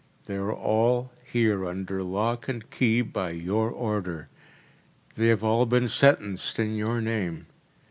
“They are all here under lock and key by your order. They have all been sentenced in your name.